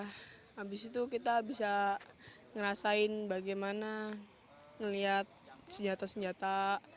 habis itu kita bisa ngerasain bagaimana melihat senjata senjata